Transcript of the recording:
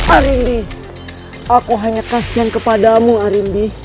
arindi aku hanya kasihan kepadamu arindi